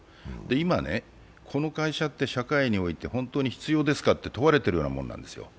今、この会社って本当に必要ですかと問われているようなものなんですよ。